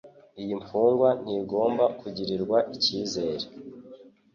Iyi mfungwa ntigomba kugirirwa ikizere